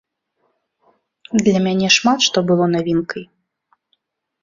Для мяне шмат што было навінкай.